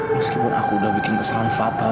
meskipun aku udah bikin pesan fatal